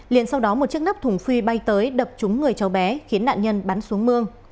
liền sau đó một chiếc nắp thùng phi bay tới đập trúng người cháu bé khiến nạn nhân bắn xuống mương